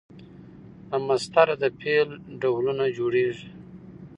له مصدره د فعل ډولونه جوړیږي.